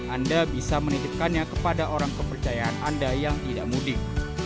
anda bisa menitipkannya kepada orang kepercayaan anda yang tidak mudik